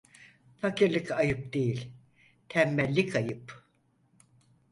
Fakirlik ayıp değil, tembellik ayıp.